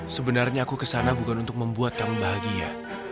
sebenarnya aku ke sana bukan untuk membuat kamu bahagia